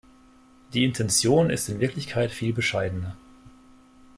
Die Intention ist in Wirklichkeit viel bescheidener.